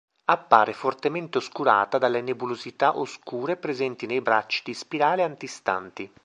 Appare fortemente oscurata dalle nebulosità oscure presenti nei bracci di spirale antistanti.